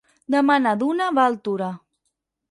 Demà na Duna va a Altura.